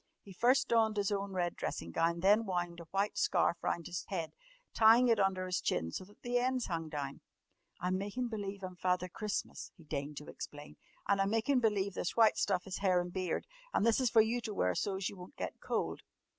He first donned his own red dressing gown and then wound a white scarf round his head, tying it under his chin so that the ends hung down. "I'm makin' believe I'm Father Christmas," he deigned to explain. "An' I'm makin' believe this white stuff is hair an' beard. An' this is for you to wear so's you won't get cold."